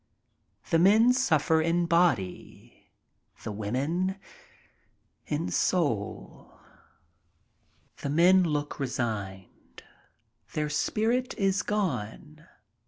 The men suffer in body — the women in soul. The men look resigned. Their spirit is gone.